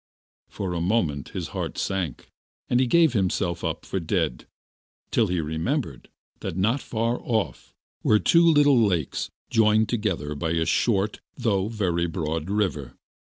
For a moment his heart sank, and he gave himself up for dead, till he remembered that, not far off, were two little lakes joined together by a short though very broad river.